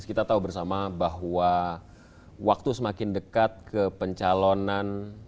kita tahu bersama bahwa waktu semakin dekat ke pencalonan